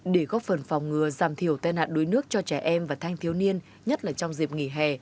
để góp phần phòng ngừa giảm thiểu tai nạn đuối nước cho trẻ em và thanh thiếu niên nhất là trong dịp nghỉ hè